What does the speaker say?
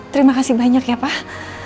terima kasih banyak ya pak